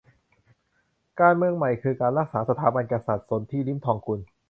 การเมืองใหม่คือการรักษาสถาบันกษัตริย์ - สนธิ ลิ้มทองกุล